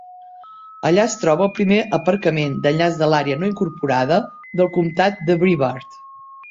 Allà es troba el primer aparcament d'enllaç de l'àrea no incorporada del comtat de Brevard.